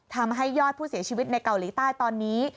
ทำให้ยอดผู้เสียชีวิตในเกาหลีใต้ตอนนี้